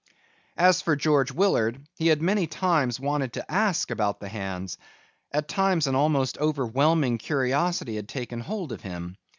As for George Willard, he had many times wanted to ask about the hands. At times an almost overwhelming curiosity had taken hold of him.